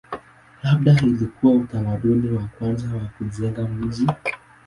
Labda ilikuwa utamaduni wa kwanza wa kujenga miji.